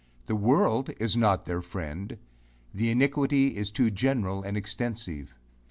The world is not their friend; the iniquity is too general and extensive.